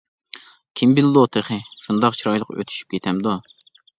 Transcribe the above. كىم بىلىدۇ تېخى، شۇنداق چىرايلىق ئۆتۈشۈپ كېتەمدۇ!